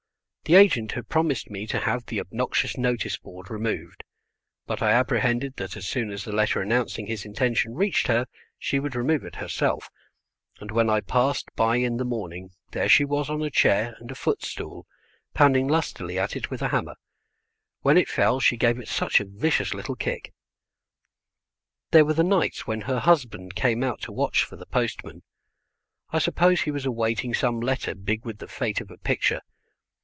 The agent had promised me to have the obnoxious notice board removed, but I apprehended that as soon as the letter announcing his intention reached her she would remove it herself, and when I passed by in the morning there she was on a chair and a foot stool pounding lustily at it with a hammer. When it fell she gave it such a vicious little kick. There were the nights when her husband came out to watch for the postman. I suppose he was awaiting some letter big with the fate of a picture.